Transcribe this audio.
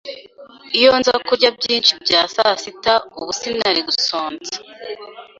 Iyo nza kurya byinshi bya sasita, ubu sinari gusonza.